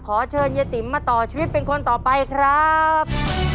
ขอเชิญยายติ๋มมาต่อชีวิตเป็นคนต่อไปครับ